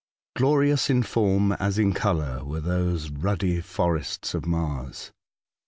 Glorious in form, as in colour, were those ruddy forests of Mars.